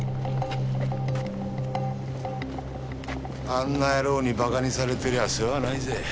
あんな野郎に馬鹿にされてりゃあ世話ないぜ。